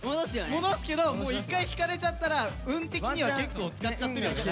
戻すけどもう一回引かれちゃったら運的には結構使っちゃってるよね。